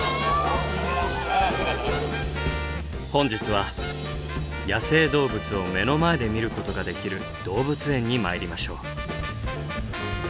本日は野生動物を目の前で見ることができる動物園に参りましょう。